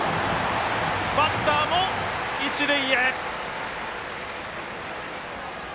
バッターも一塁へ！